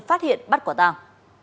phát hiện bắt quả tang